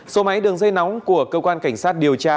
số máy đường dây nóng của cơ quan cảnh sát điều tra